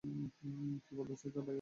কী বলতেসে, ভাই ও?